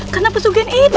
karena pesugihan itu